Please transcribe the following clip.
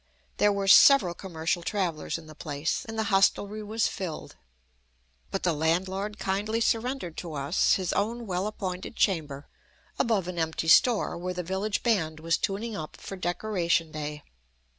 There were several commercial travelers in the place, and the hostelry was filled. But the landlord kindly surrendered to us his own well appointed chamber, above an empty store where the village band was tuning up for Decoration Day.